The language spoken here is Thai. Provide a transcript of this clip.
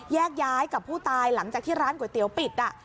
แยกย้ายกับผู้ตายหลังจากที่ร้านก๋วยเตี๋ยวปิด